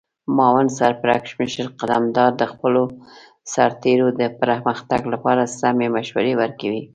معاون سرپرکمشر قدمدار د خپلو سرتیرو د پرمختګ لپاره سمې مشورې ورکوي.